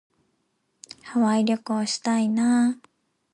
ハワイ旅行したいな。